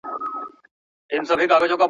شمع مړه سوه لمبه ولاړه پروانه هغسي نه ده .